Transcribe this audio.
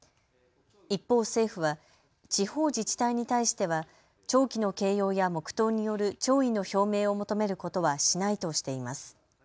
一方、政府は地方自治体に対しては弔旗の掲揚や黙とうによる弔意の表明を求めることはしないとしています。